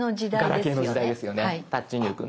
ガラケーの時代ですよねタッチ入力。